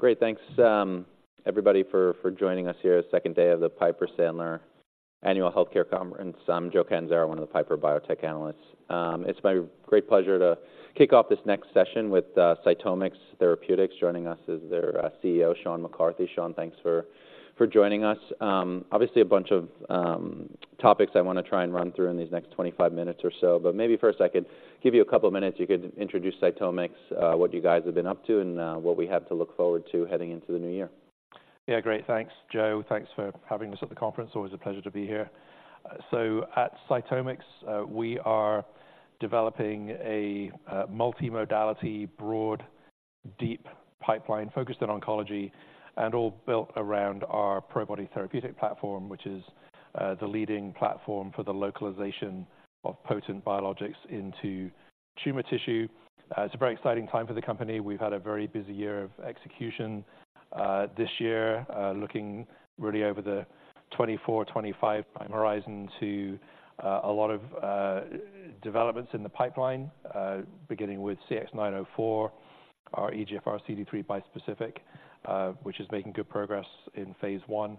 Great, thanks, everybody, for joining us here the second day of the Piper Sandler Annual Healthcare Conference. I'm Joseph Catanzaro, one of the Piper biotech analysts. It's my great pleasure to kick off this next session with CytomX Therapeutics. Joining us is their CEO, Sean McCarthy. Sean, thanks for joining us. Obviously a bunch of topics I want to try and run through in these next 25 minutes or so, but maybe first I could give you a couple of minutes. You could introduce CytomX, what you guys have been up to, and what we have to look forward to heading into the new year. Yeah, great. Thanks, Joe. Thanks for having us at the conference. Always a pleasure to be here. So at CytomX, we are developing a multimodality, broad, deep pipeline focused on oncology and all built around our Probody therapeutic platform, which is the leading platform for the localization of potent biologics into tumor tissue. It's a very exciting time for the company. We've had a very busy year of execution this year, looking really over the 2024-2025 time horizon to a lot of developments in the pipeline, beginning with CX-904, our EGFR-CD3 bispecific, which is making good progress in phase I,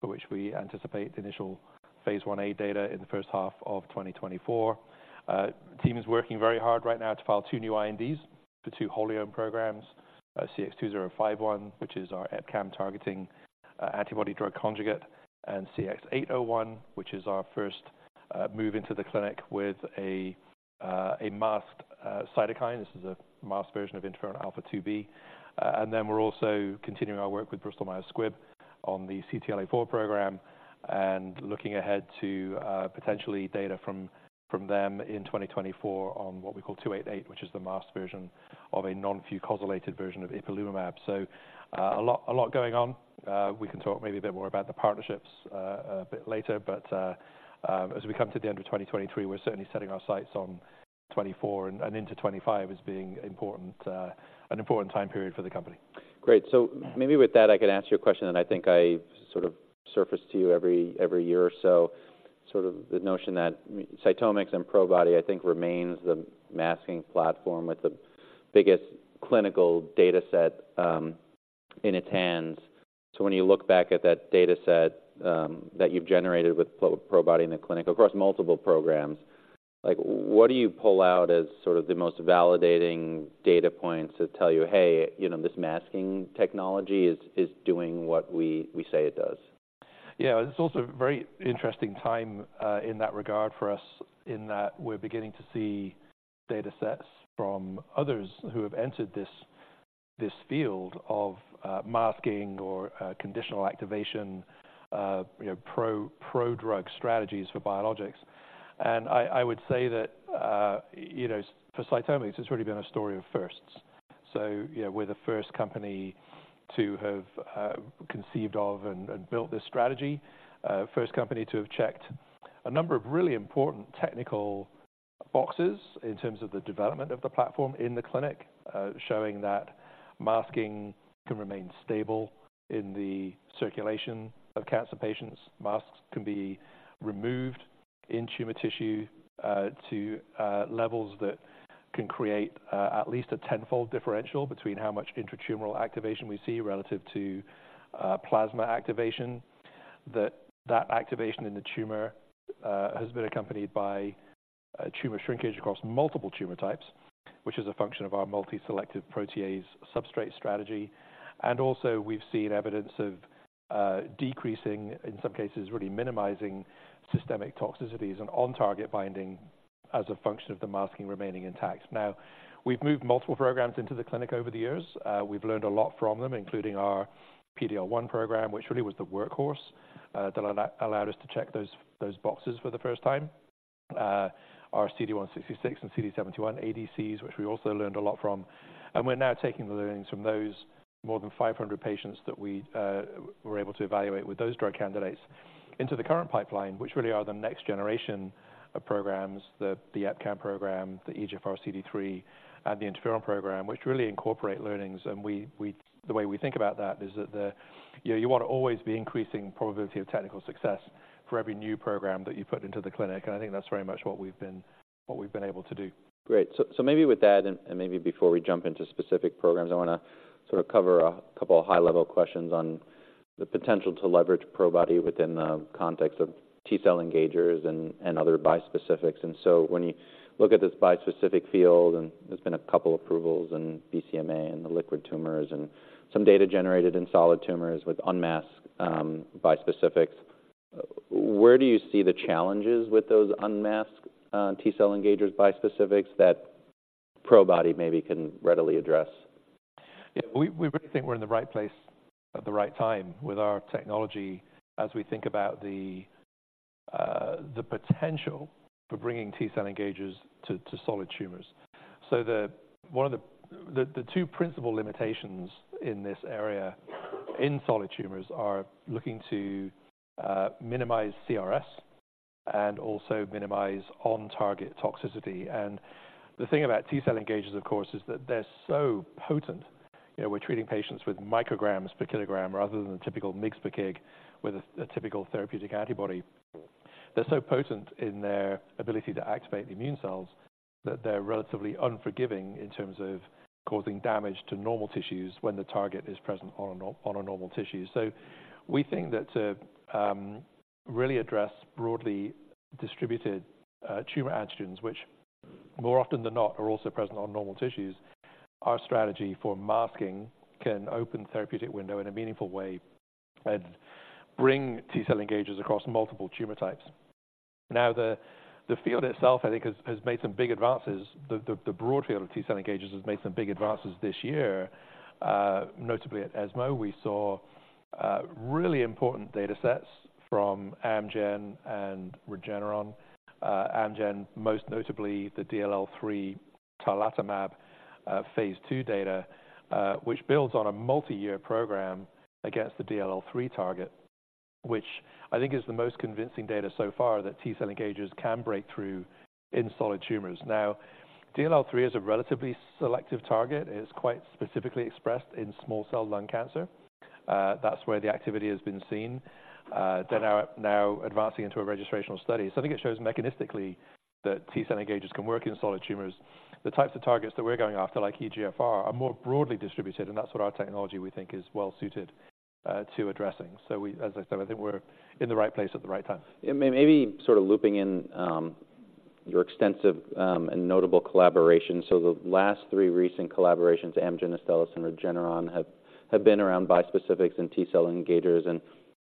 for which we anticipate initial phase I-A data in the first half of 2024. The team is working very hard right now to file two new INDs for two wholly owned programs, CX-2051, which is our EpCAM targeting antibody drug conjugate, and CX-801, which is our first move into the clinic with a masked cytokine. This is a masked version of interferon alpha-2b. And then we're also continuing our work with Bristol-Myers Squibb on the CTLA-4 program and looking ahead to potentially data from them in 2024 on what we call 288, which is the masked version of a non-fucosylated version of ipilimumab. So, a lot, a lot going on. We can talk maybe a bit more about the partnerships, a bit later, but, as we come to the end of 2023, we're certainly setting our sights on 2024 and, and into 2025 as being important, an important time period for the company. Great. So maybe with that, I can ask you a question that I think I sort of surface to you every year or so. Sort of the notion that CytomX and Probody, I think, remains the masking platform with the biggest clinical data set in its hands. So when you look back at that data set that you've generated with Probody in the clinic across multiple programs, like, what do you pull out as sort of the most validating data points that tell you, "Hey, you know, this masking technology is doing what we say it does."? Yeah, it's also a very interesting time in that regard for us, in that we're beginning to see data sets from others who have entered this field of masking or conditional activation, you know, pro-drug strategies for biologics. And I would say that, you know, for CytomX, it's really been a story of firsts. So you know, we're the first company to have conceived of and built this strategy, first company to have checked a number of really important technical boxes in terms of the development of the platform in the clinic, showing that masking can remain stable in the circulation of cancer patients. Masks can be removed in tumor tissue to levels that can create at least a tenfold differential between how much intratumoral activation we see relative to plasma activation. That activation in the tumor has been accompanied by tumor shrinkage across multiple tumor types, which is a function of our multi-selective protease substrate strategy. Also we've seen evidence of decreasing, in some cases, really minimizing systemic toxicities and on-target binding as a function of the masking remaining intact. Now, we've moved multiple programs into the clinic over the years. We've learned a lot from them, including our PD-L1 program, which really was the workhorse that allowed us to check those boxes for the first time. Our CD166 and CD71 ADCs, which we also learned a lot from. We're now taking the learnings from those more than 500 patients that we were able to evaluate with those drug candidates into the current pipeline, which really are the next generation of programs, the EpCAM program, the EGFR-CD3, and the interferon program, which really incorporate learnings. The way we think about that is that the... You know, you want to always be increasing probability of technical success for every new program that you put into the clinic, and I think that's very much what we've been able to do. Great. So maybe with that, and maybe before we jump into specific programs, I want to sort of cover a couple of high-level questions on the potential to leverage Probody within the context of T-cell engagers and other bispecifics. And so when you look at this bispecific field, and there's been a couple approvals in BCMA and the liquid tumors and some data generated in solid tumors with unmasked bispecifics, where do you see the challenges with those unmasked T-cell engagers bispecifics that Probody maybe can readily address? Yeah, we really think we're in the right place at the right time with our technology as we think about the potential for bringing T-cell engagers to solid tumors. So, one of the... The two principal limitations in this area in solid tumors are looking to minimize CRS and also minimize on-target toxicity. And the thing about T-cell engagers, of course, is that they're so potent. You know, we're treating patients with micrograms per kilogram rather than the typical milligram per kilogram with a typical therapeutic antibody. They're so potent in their ability to activate the immune cells, that they're relatively unforgiving in terms of causing damage to normal tissues when the target is present on a normal tissue. So we think that to really address broadly distributed tumor antigens, which more often than not are also present on normal tissues, our strategy for masking can open therapeutic window in a meaningful way and bring T-cell engagers across multiple tumor types. Now, the broad field of T-cell engagers has made some big advances this year, notably at ESMO. We saw really important datasets from Amgen and Regeneron. Amgen, most notably the DLL3 tarlatamab phase II data, which builds on a multi-year program against the DLL3 target, which I think is the most convincing data so far that T-cell engagers can break through in solid tumors. Now, DLL3 is a relatively selective target, and it's quite specifically expressed in small cell lung cancer. That's where the activity has been seen. They're now advancing into a registrational study. So I think it shows mechanistically that T-cell engagers can work in solid tumors. The types of targets that we're going after, like EGFR, are more broadly distributed, and that's what our technology, we think, is well suited to addressing. So we, as I said, I think we're in the right place at the right time. Yeah, maybe sort of looping in your extensive and notable collaboration. So the last three recent collaborations, Amgen, Astellas, and Regeneron, have been around bispecifics and T-cell engagers, and,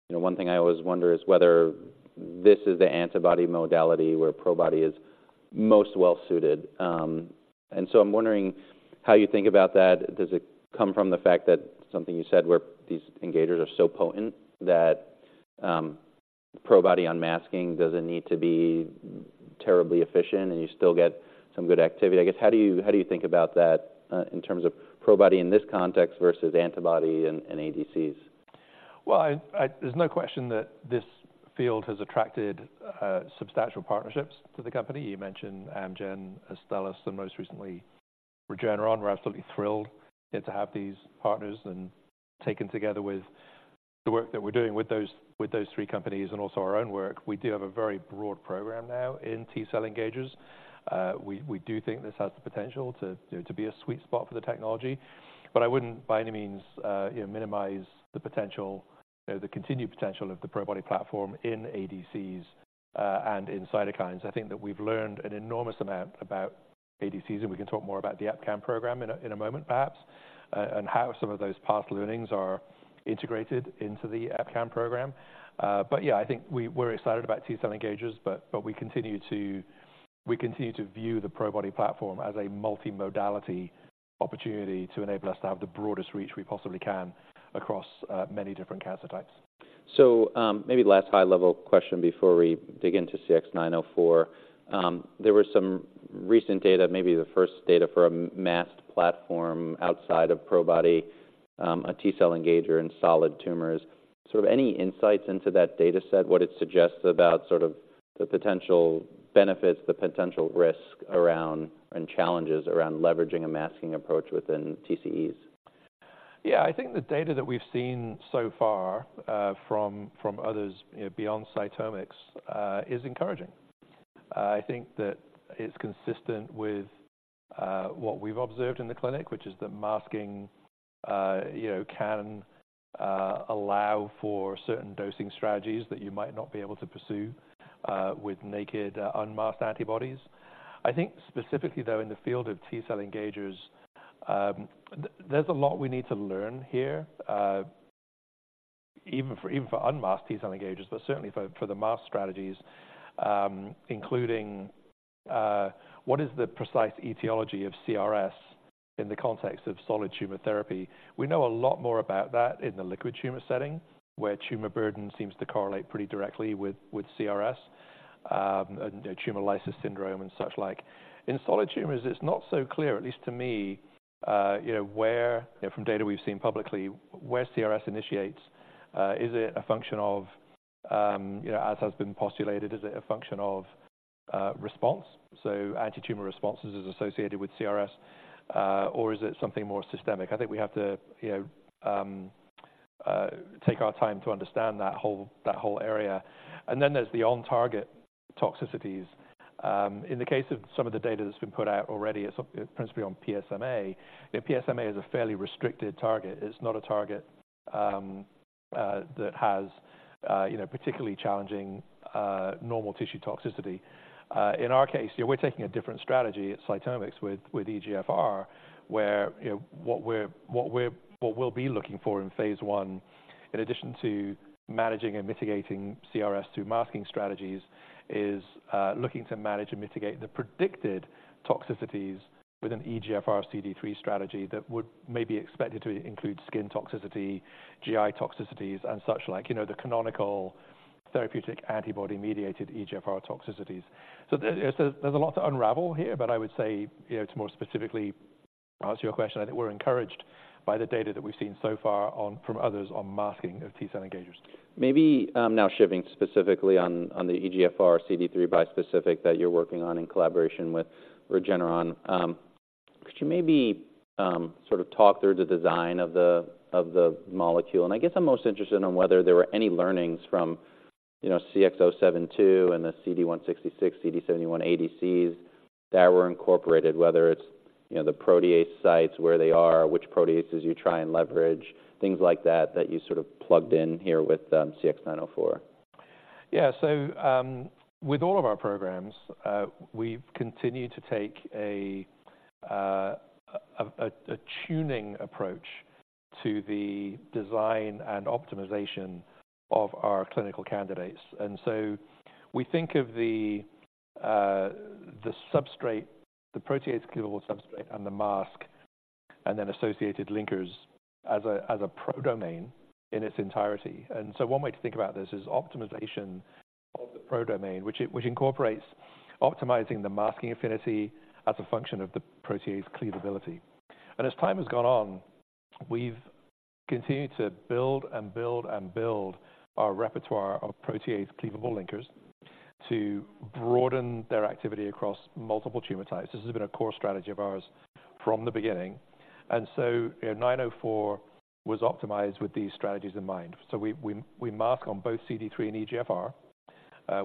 you know, one thing I always wonder is whether this is the antibody modality where Probody is most well suited. And so I'm wondering how you think about that. Does it come from the fact that something you said, where these engagers are so potent that Probody unmasking does it need to be terribly efficient and you still get some good activity? I guess, how do you think about that in terms of Probody in this context versus antibody and ADCs? Well, there's no question that this field has attracted substantial partnerships to the company. You mentioned Amgen, Astellas, and most recently, Regeneron. We're absolutely thrilled to have these partners and taken together with the work that we're doing with those three companies and also our own work, we do have a very broad program now in T-cell engagers. We do think this has the potential to be a sweet spot for the technology, but I wouldn't by any means, you know, minimize the potential, you know, the continued potential of the Probody platform in ADCs, and in cytokines. I think that we've learned an enormous amount about ADCs, and we can talk more about the EpCAM program in a moment, perhaps, and how some of those past learnings are integrated into the EpCAM program. But yeah, I think we're excited about T-cell engagers, but we continue to view the Probody platform as a multimodality opportunity to enable us to have the broadest reach we possibly can across many different cancer types. Maybe the last high-level question before we dig into CX-904. There were some recent data, maybe the first data for a masked platform outside of Probody, a T-cell engager in solid tumors. Sort of any insights into that data set, what it suggests about sort of the potential benefits, the potential risk around, and challenges around leveraging a masking approach within TCEs? Yeah, I think the data that we've seen so far from others, you know, beyond CytomX, is encouraging. I think that it's consistent with what we've observed in the clinic, which is that masking, you know, can allow for certain dosing strategies that you might not be able to pursue with naked, unmasked antibodies. I think specifically, though, in the field of T-cell engagers, there's a lot we need to learn here, even for unmasked T-cell engagers, but certainly for the masked strategies, including what is the precise etiology of CRS in the context of solid tumor therapy? We know a lot more about that in the liquid tumor setting, where tumor burden seems to correlate pretty directly with CRS, and tumor lysis syndrome and such like. In solid tumors, it's not so clear, at least to me, you know, where... From data we've seen publicly, where CRS initiates, is it a function of, you know, as has been postulated, is it a function of, response, so antitumor responses is associated with CRS, or is it something more systemic? I think we have to, you know, take our time to understand that whole, that whole area. And then there's the on-target toxicities. In the case of some of the data that's been put out already, it's principally on PSMA. The PSMA is a fairly restricted target. It's not a target, that has, you know, particularly challenging, normal tissue toxicity. In our case, we're taking a different strategy at CytomX with EGFR, where, you know, what we'll be looking for in phase I, in addition to managing and mitigating CRS through masking strategies, is looking to manage and mitigate the predicted toxicities with an EGFR-CD3 strategy that would may be expected to include skin toxicity, GI toxicities, and such like. You know, the canonical therapeutic antibody-mediated EGFR toxicities. So there, there's a lot to unravel here, but I would say, you know, to more specifically answer your question, I think we're encouraged by the data that we've seen so far on from others on masking of T-cell engagers. Maybe now shifting specifically on the EGFR-CD3 bispecific that you're working on in collaboration with Regeneron. Could you maybe sort of talk through the design of the molecule? And I guess I'm most interested in whether there were any learnings from, you know, CX-072 and the CD166, CD71 ADCs that were incorporated, whether it's, you know, the protease sites, where they are, which proteases you try and leverage, things like that, that you sort of plugged in here with CX-904. Yeah. So, with all of our programs, we've continued to take a tuning approach to the design and optimization of our clinical candidates. And so we think of the substrate, the protease cleavable substrate and the mask, and then associated linkers as a pro domain in its entirety. And so one way to think about this is optimization of the pro domain, which incorporates optimizing the masking affinity as a function of the protease cleavability. And as time has gone on, we've continued to build and build and build our repertoire of protease cleavable linkers to broaden their activity across multiple tumor types. This has been a core strategy of ours from the beginning, and so, you know, CX-904 was optimized with these strategies in mind. So we mask on both CD3 and EGFR.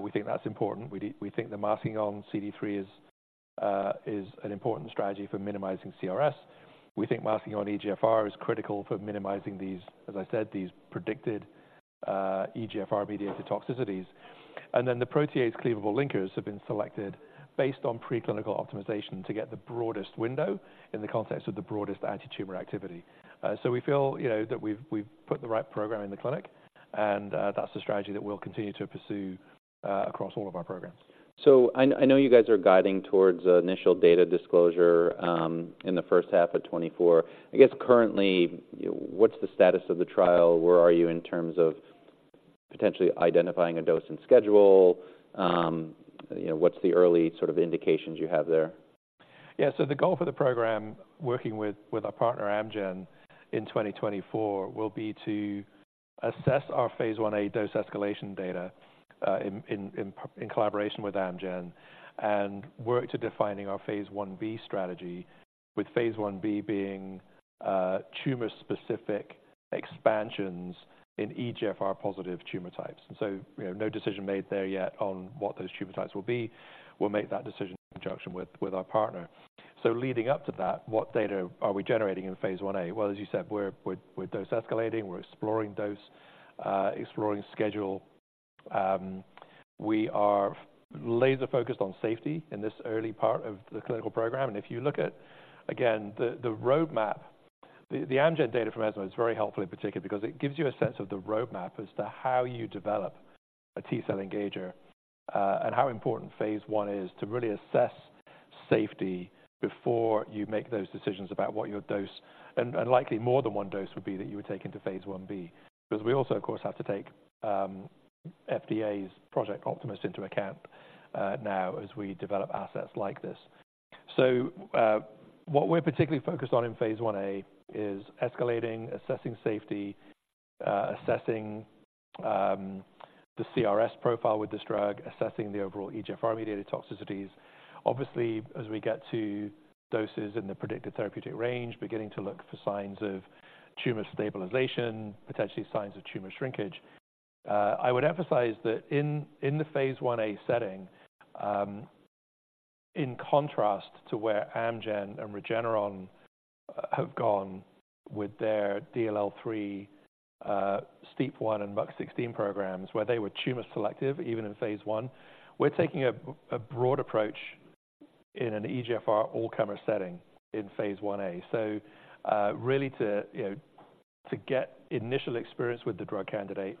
We think that's important. We think the masking on CD3 is an important strategy for minimizing CRS. We think masking on EGFR is critical for minimizing these, as I said, these predicted EGFR-mediated toxicities. And then the protease cleavable linkers have been selected based on preclinical optimization to get the broadest window in the context of the broadest antitumor activity. So we feel, you know, that we've put the right program in the clinic, and that's the strategy that we'll continue to pursue across all of our programs. So I know you guys are guiding towards initial data disclosure in the first half of 2024. I guess currently, what's the status of the trial? Where are you in terms of potentially identifying a dose and schedule? You know, what's the early sort of indications you have there? Yeah. So the goal for the program, working with our partner Amgen in 2024, will be to assess our phase I-A dose escalation data in collaboration with Amgen, and work to defining our phase I-B strategy, with phase I-B being tumor-specific expansions in EGFR-positive tumor types. And so, you know, no decision made there yet on what those tumor types will be. We'll make that decision in conjunction with our partner. So leading up to that, what data are we generating in phase I-A? Well, as you said, we're dose escalating, we're exploring dose, exploring schedule. We are laser focused on safety in this early part of the clinical program. And if you look at, again, the roadmap, the Amgen data from ESMO is very helpful in particular because it gives you a sense of the roadmap as to how you develop a T-cell engager, and how important phase I is to really assess safety before you make those decisions about what your dose and, and likely more than one dose would be that you would take into phase I-B. Because we also, of course, have to take FDA's Project Optimus into account now as we develop assets like this. So, what we're particularly focused on in phase I-A is escalating, assessing safety, assessing the CRS profile with this drug, assessing the overall EGFR-mediated toxicities. Obviously, as we get to doses in the predicted therapeutic range, beginning to look for signs of tumor stabilization, potentially signs of tumor shrinkage. I would emphasize that in the phase I-A setting, in contrast to where Amgen and Regeneron have gone with their DLL3, STEAP1 and MUC16 programs, where they were tumor selective, even in phase I, we're taking a broad approach in an EGFR all-comer setting in phase I-A. So, really, you know, to get initial experience with the drug candidate,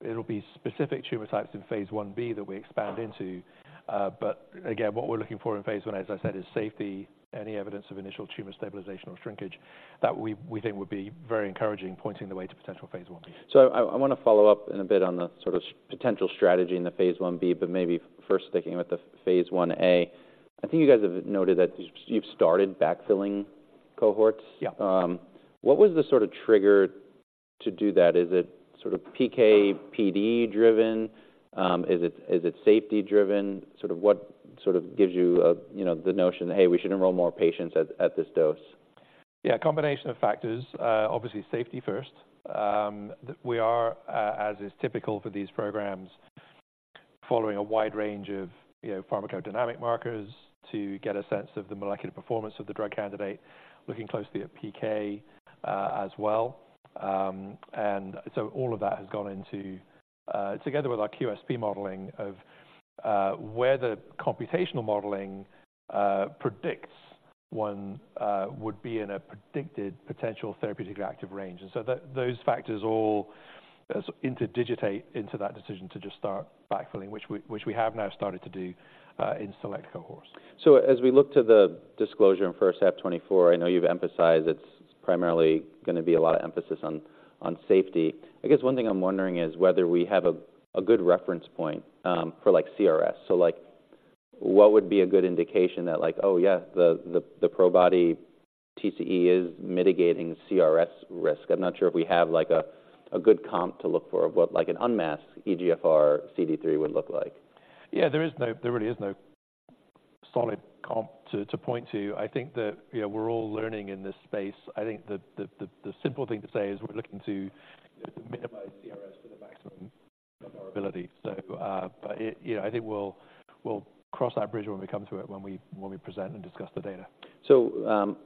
it'll be specific tumor types in phase I-B that we expand into. But again, what we're looking for in phase I, as I said, is safety, any evidence of initial tumor stabilization or shrinkage that we think would be very encouraging, pointing the way to potential phase I-B. So I wanna follow up in a bit on the sort of potential strategy in the phase I-B, but maybe first sticking with the phase I-A. I think you guys have noted that you've started backfilling cohorts. Yeah. What was the sort of trigger to do that? Is it sort of PK/PD driven? Is it safety driven? Sort of what sort of gives you, you know, the notion that, "Hey, we should enroll more patients at this dose."? Yeah, a combination of factors. Obviously, safety first. We are, as is typical for these programs, following a wide range of, you know, pharmacodynamic markers to get a sense of the molecular performance of the drug candidate, looking closely at PK, as well. And so all of that has gone into... together with our QSP modeling of, where the computational modeling predicts one would be in a predicted potential therapeutically active range. And so those factors all interdigitate into that decision to just start backfilling, which we have now started to do, in select cohorts. So as we look to the disclosure in first half 2024, I know you've emphasized it's primarily gonna be a lot of emphasis on, on safety. I guess one thing I'm wondering is whether we have a good reference point for, like, CRS. So, like, what would be a good indication that like: Oh, yeah, the Probody TCE is mitigating CRS risk. I'm not sure if we have, like, a good comp to look for, of what, like, an unmasked EGFR CD3 would look like. Yeah, there is no, there really is no solid comp to point to. I think that, you know, we're all learning in this space. I think the simple thing to say is we're looking to minimize CRS to the maximum of our ability. So, but, yeah, I think we'll cross that bridge when we come to it, when we present and discuss the data.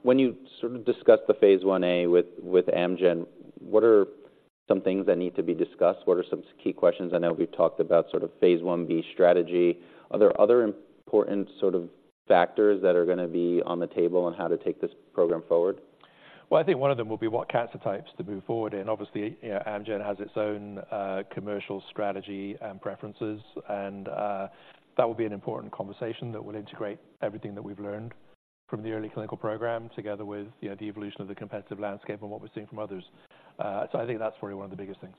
When you sort of discussed the phase I-A with Amgen, what are some things that need to be discussed? What are some key questions? I know we've talked about sort of phase I-B strategy. Are there other important sort of factors that are gonna be on the table on how to take this program forward? Well, I think one of them will be what cancer types to move forward in. Obviously, you know, Amgen has its own, commercial strategy and preferences, and, that will be an important conversation that will integrate everything that we've learned from the early clinical program together with, you know, the evolution of the competitive landscape and what we're seeing from others. So I think that's probably one of the biggest things.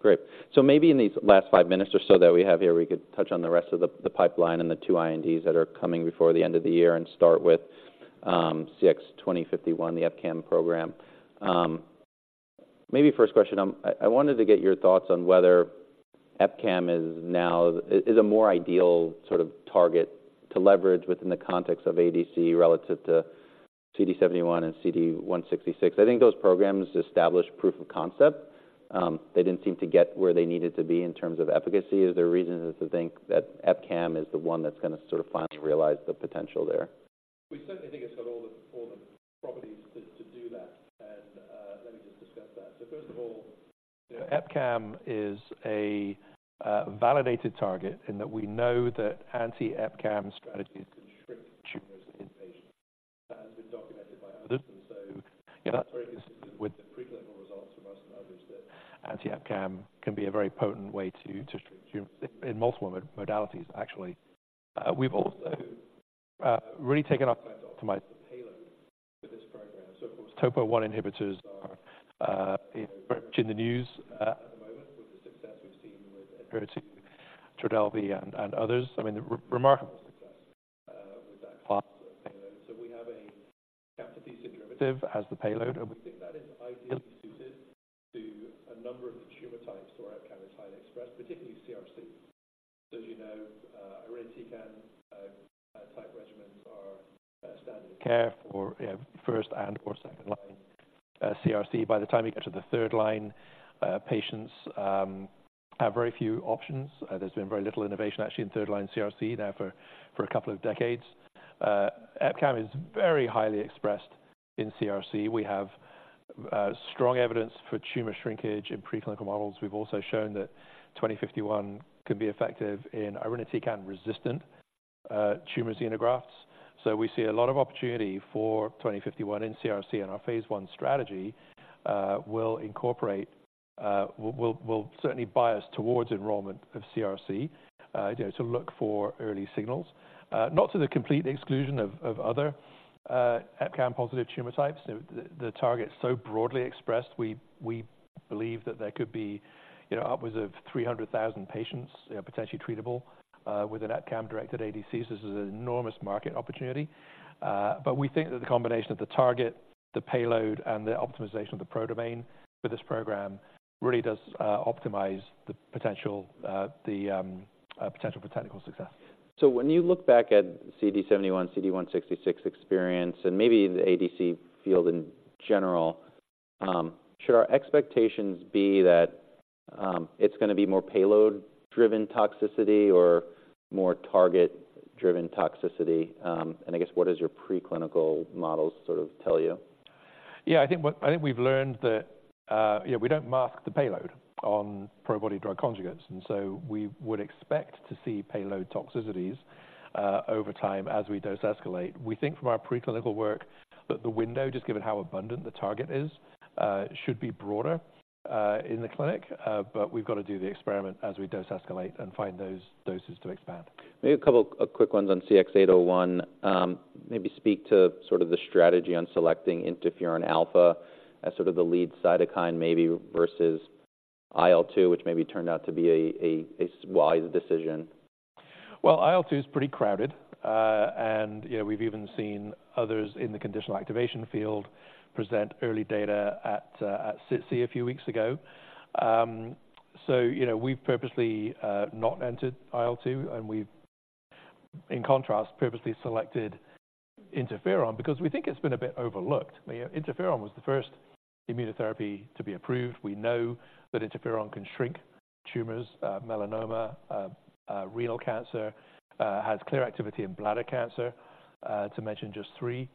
Great. So maybe in these last five minutes or so that we have here, we could touch on the rest of the pipeline and the two INDs that are coming before the end of the year and start with CX-2051, the EpCAM program. Maybe first question, I wanted to get your thoughts on whether EpCAM is now a more ideal sort of target to leverage within the context of ADC relative to CD71 and CD166. I think those programs established proof of concept. They didn't seem to get where they needed to be in terms of efficacy. Is there reasons to think that EpCAM is the one that's gonna sort of finally realize the potential there? We certainly think it's got all the properties to do that, and let me just discuss that. So first of all, EpCAM is a validated target in that we know that anti-EpCAM strategies can shrink tumors in patients. That has been documented by others, and so, yeah, that's very consistent with the preclinical results from us and others, that anti-EpCAM can be a very potent way to treat tumors in multiple modalities, actually. We've also really taken off to optimize the payload for this program. So, of course, topo one inhibitors are in the news at the moment with the success we've seen with Enhertu, Trodelvy, and others. I mean, the remarkable success with that payload. So we have a camptothecin derivative as the payload, and we think that is ideally suited to a number of the tumor types or EpCAM highly expressed, particularly CRC. So as you know, irinotecan type regimens are standard of care for first and/or second-line CRC. By the time you get to the third line, patients have very few options. There's been very little innovation actually in third-line CRC now for a couple of decades. EpCAM is very highly expressed in CRC. We have strong evidence for tumor shrinkage in preclinical models. We've also shown that CX-2051 can be effective in irinotecan-resistant tumor xenografts. So we see a lot of opportunity for CX-2051 in CRC, and our phase I strategy will incorporate, will certainly bias towards enrollment of CRC, you know, to look for early signals. Not to the complete exclusion of other EpCAM-positive tumor types. The target's so broadly expressed, we believe that there could be, you know, upwards of 300,000 patients potentially treatable with an EpCAM-directed ADCs. This is an enormous market opportunity, but we think that the combination of the target, the payload, and the optimization of the pro domain for this program really does optimize the potential, the potential for technical success. So when you look back at CD71, CD166 experience, and maybe the ADC field in general, it's gonna be more payload-driven toxicity or more target-driven toxicity? And I guess what does your preclinical models sort of tell you? Yeah, I think we've learned that, yeah, we don't mask the payload on Probody drug conjugates, and so we would expect to see payload toxicities, over time as we dose escalate. We think from our preclinical work that the window, just given how abundant the target is, should be broader, in the clinic. But we've got to do the experiment as we dose escalate and find those doses to expand. Maybe a couple of quick ones on CX-801. Maybe speak to sort of the strategy on selecting interferon alpha as sort of the lead cytokine maybe versus IL-2, which maybe turned out to be a wise decision. Well, IL-2 is pretty crowded, and, you know, we've even seen others in the conditional activation field present early data at SITC a few weeks ago. So, you know, we've purposely not entered IL-2, and we've, in contrast, purposely selected interferon because we think it's been a bit overlooked. I mean, interferon was the first immunotherapy to be approved. We know that interferon can shrink tumors, melanoma, renal cancer, has clear activity in bladder cancer, to mention just three.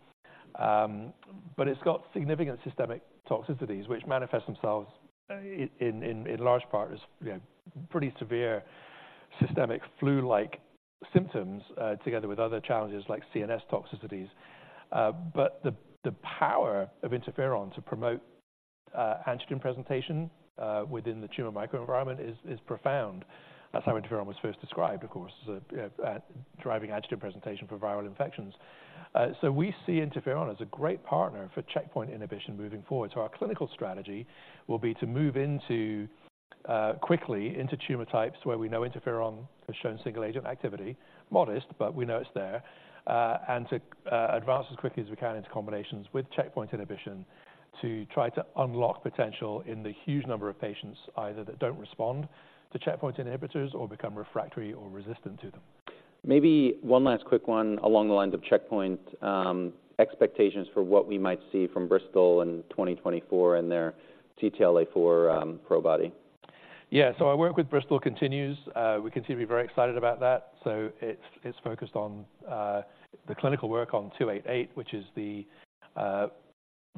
But it's got significant systemic toxicities, which manifest themselves in large part as, you know, pretty severe systemic flu-like symptoms, together with other challenges like CNS toxicities. But the power of interferon to promote antigen presentation within the tumor microenvironment is profound. That's how interferon was first described, of course, as a driving antigen presentation for viral infections. So we see interferon as a great partner for checkpoint inhibition moving forward. So our clinical strategy will be to move into quickly into tumor types where we know interferon has shown single-agent activity, modest, but we know it's there, and to advance as quickly as we can into combinations with checkpoint inhibition, to try to unlock potential in the huge number of patients either that don't respond to checkpoint inhibitors or become refractory or resistant to them. Maybe one last quick one along the lines of checkpoint expectations for what we might see from Bristol in 2024 and their CTLA-4 Probody? Yeah, so our work with Bristol continues. We continue to be very excited about that. So it's focused on the clinical work on 288, which is the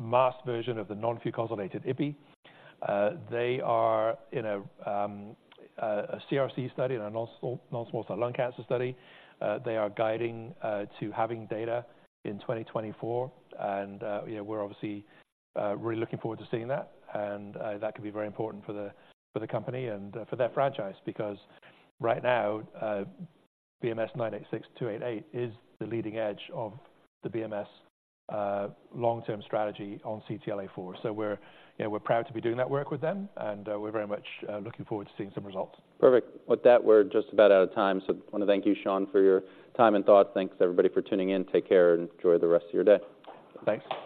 masked version of the non-fucosylated ipilimumab. They are in a CRC study and a non-small cell lung cancer study. They are guiding to having data in 2024, and you know, we're obviously really looking forward to seeing that. And that could be very important for the company and for their franchise, because right now, BMS-986288 is the leading edge of the BMS long-term strategy on CTLA-4. So you know, we're proud to be doing that work with them, and we're very much looking forward to seeing some results. Perfect. With that, we're just about out of time, so I wanna thank you, Sean, for your time and thoughts. Thanks, everybody, for tuning in. Take care and enjoy the rest of your day. Thanks.